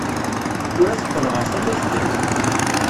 Tura teqqel ɣer tama-k kan.